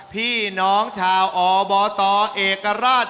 พี่น้องชาวอบตเอกราช